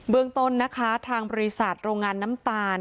เมืองต้นนะคะทางบริษัทโรงงานน้ำตาล